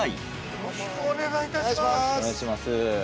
よろしくお願いします